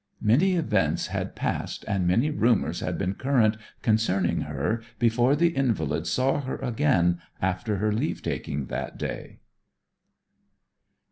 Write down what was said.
Many events had passed and many rumours had been current concerning her before the invalid saw her again after her leave taking that day.